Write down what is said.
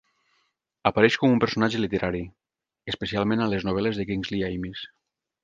Apareix com un personatge literari, especialment a les novel·les de Kingsley Amis.